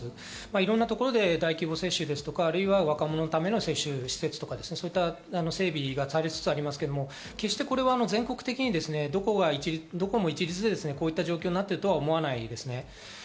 いろんなところで大規模接種や若者のための接種の施設、そういった整備がされつつありますが、決して全国的にどこも一律でこういう状態になっているとは思わないです。